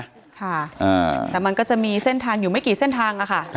ค่ะแต่มันก็จะมีเส้นทางอยู่ไม่กี่เส้นทางค่ะ